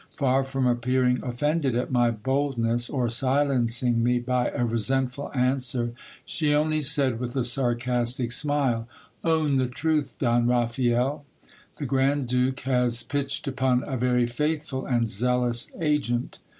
Far from appearing offended at my boldness, or silencing me by a resentful answer, she only said with a sarcastic smile : Own the truth, Don Raphael ; the grand duke has pitched upon a very faithful and zealous agent.